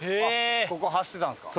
ここ走ってたんですか？